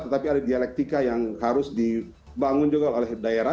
tetapi ada dialektika yang harus dibangun juga oleh daerah